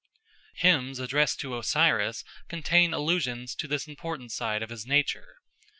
Hymns addressed to Osiris contain allusions to this important side of his nature.